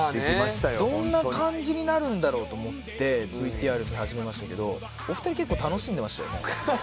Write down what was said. どんな感じになるんだろうと思ってＶＴＲ見始めましたけどお二人結構楽しんでましたよね？